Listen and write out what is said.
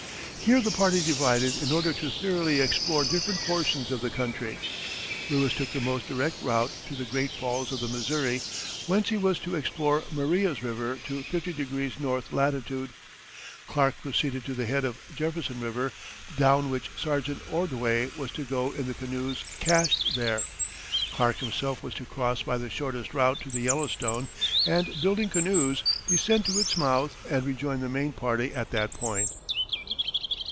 Here the party divided in order to thoroughly explore different portions of the country. Lewis took the most direct route to the great falls of the Missouri, whence he was to explore Maria's River to 50° N. latitude. Clark proceeded to the head of Jefferson River, down which Sergeant Ordway was to go in the canoes cached there. Clark himself was to cross by the shortest route to the Yellowstone, and building canoes, descend to its mouth and rejoin the main party at that point.